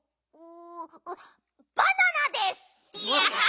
バナナです！